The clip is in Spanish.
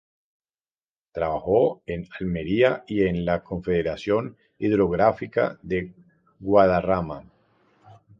Trabajó en Almería y en la Confederación Hidrográfica del Guadarrama.